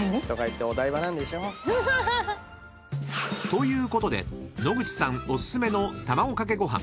［ということで野口さんお薦めのたまごかけごはん